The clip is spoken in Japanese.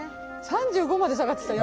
３５まで下がってた。